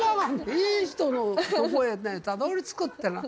いい人のとこへね、たどりつくっていうのは。